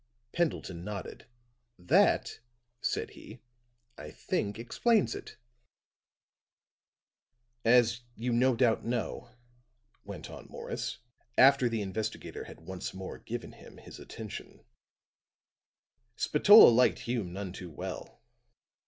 Pendleton nodded. "That," said he, "I think explains it." "As you no doubt know," went on Morris, after the investigator had once more given him his attention, "Spatola liked Hume none too well.